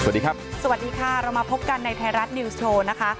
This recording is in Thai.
สวัสดีครับสวัสดีค่ะเรามาพบกันในไทยรัฐนิวส์โชว์นะคะ